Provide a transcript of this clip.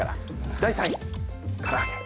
第３位、から揚げ。